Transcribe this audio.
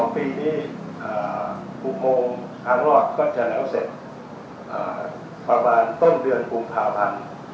ปีนี้อุโมงทางรอดก็จะแล้วเสร็จประมาณต้นเดือนกุมภาพันธ์